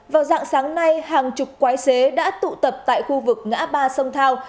vào dạng sáng nay hàng chục quái xế đã tụ tập tại khu vực ngã ba sông thao